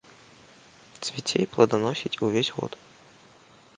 Цвіце і пладаносіць увесь год.